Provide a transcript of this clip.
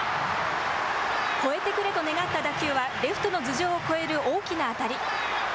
越えてくれと願った打球はレフトの頭上を越える大きな当たり。